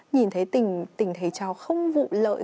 nhìn thấy tình thầy trò không vụ lợi